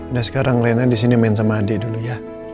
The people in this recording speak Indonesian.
udah sekarang rina disini main sama adik dulu ya